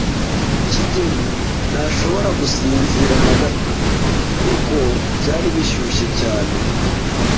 kigeli ntashobora gusinzira na gato kuko byari bishyushye cyane.